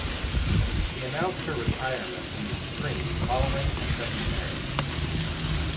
She announced her retirement from the screen following her second marriage.